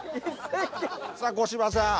さあ小芝さん。